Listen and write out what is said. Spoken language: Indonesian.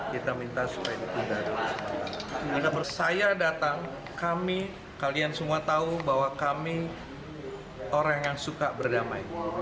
kami kalian semua tahu bahwa kami orang yang suka berdamai